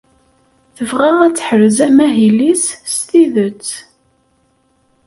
Tebɣa ad teḥrez amahil-is s tidet.